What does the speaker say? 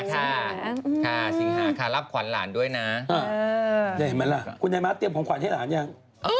สิงหาค่ะสิงหาค่ะรับขวัญหลานด้วยนะได้เห็นมั้ยล่ะคุณนายมาเตรียมของขวัญให้หลานหรือยัง